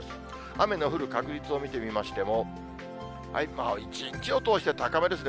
雨の降る確率を見てみましても、一日を通して高めですね。